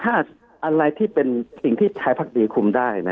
ถ้าอะไรที่เป็นสิ่งที่ใช้ภาคดีคุมได้นะ